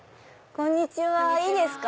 こんにちはいいですか？